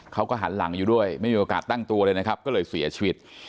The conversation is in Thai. เขาก็หันหลังอยู่ด้วยไม่มีโอกาสตั้งตัวเลยนะครับก็เลยเสียชีวิต